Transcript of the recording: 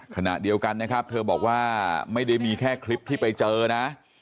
ขณะเดียวกันนะครับเธอบอกว่าไม่ได้มีแค่คลิปที่ไปเจอนะ